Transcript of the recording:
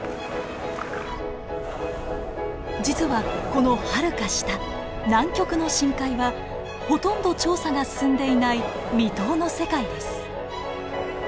実はこのはるか下南極の深海はほとんど調査が進んでいない未踏の世界です。